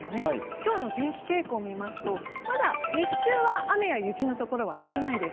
今日の天気傾向を見ますと、まだ日中は雨や雪のところは少ないです。